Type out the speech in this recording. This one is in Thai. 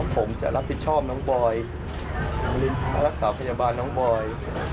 ผมจะรับผิดชอบน้องบอยรักษาพยาบาลน้องบอย